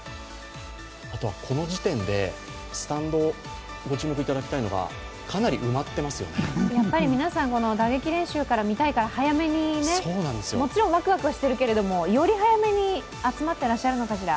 あとはこの時点でスタンドをご注目いただきたいのは、皆さん打撃練習から見たいから早めにもちろん、ワクワクしてるけどより早めに集まってるのかしら。